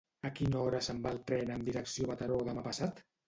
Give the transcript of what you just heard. A quina hora se'n va el tren amb direcció Mataró demà passat?